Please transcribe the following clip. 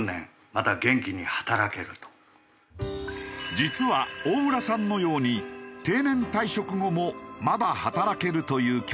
実は大浦さんのように定年退職後もまだ働けるという教員は多く。